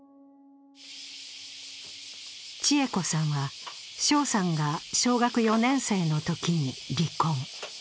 千栄子さんは翔さんが小学４年生のときに離婚。